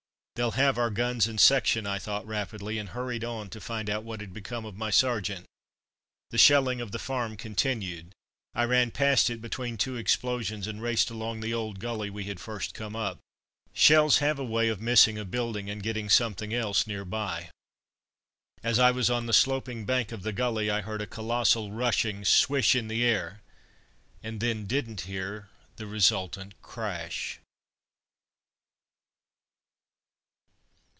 "They'll have our guns and section," I thought rapidly, and hurried on to find out what had become of my sergeant. The shelling of the farm continued; I ran past it between two explosions and raced along the old gulley we had first come up. Shells have a way of missing a building, and getting something else near by. As I was on the sloping bank of the gully I heard a colossal rushing swish in the air, and then didn't hear the resultant crash....